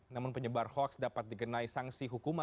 namun penyebar hoax dapat digenai sanksi hukuman